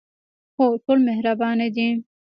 هو، ټول مهربانه دي